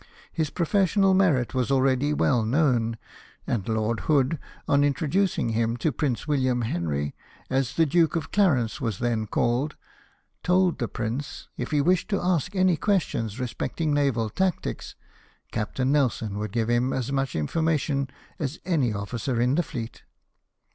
His professional merit was already well known ; and Lord Hood, on introducing him to Prince William Henry, as the Duke of Clarence was then called, told the prince, if he wished to ask any questions respecting naval tactics. Captain Nelson could give him as much information as any officer in the fleet.